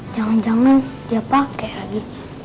jangan jangan dia pakai lagi